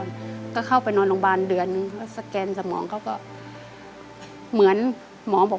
แล้วเข้าไปนอนหลงบานเหลือนึงก็สแกนสมองเขาก็